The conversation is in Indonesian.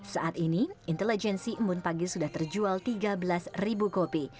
saat ini intelijensi embun pagi sudah terjual tiga belas kopi